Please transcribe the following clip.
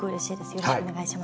よろしくお願いします。